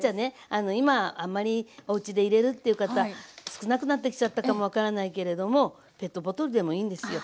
あの今あんまりおうちで入れるっていう方少なくなってきちゃったかも分からないけれどもペットボトルでもいいんですよ。